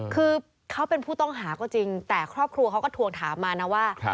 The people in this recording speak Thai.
คือเขาเป็นผู้ต้องหาก็จริงแต่ครอบครัวเขาก็ทวงถามมานะว่า